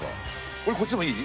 俺こっちでもいい？